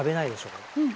うん。